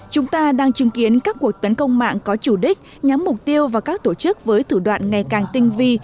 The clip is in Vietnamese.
chúng ta đang chứng kiến các cuộc tấn công mạng có chủ đích nhắm mục tiêu vào các tổ chức với thủ đoạn ngày càng tinh vi